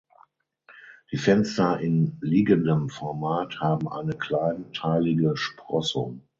Die Fenster in liegendem Format haben eine kleinteilige Sprossung.